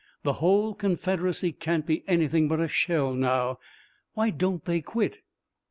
The whole Confederacy can't be anything but a shell now! Why don't they quit!"